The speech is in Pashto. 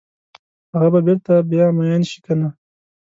هغه به بیرته بیا میین شي کنه؟